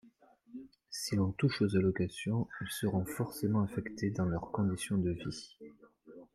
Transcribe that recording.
Si l’on touche aux allocations, ils seront forcément affectés dans leurs conditions de vie